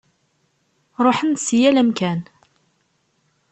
Ṛuḥen-d si yal amkan.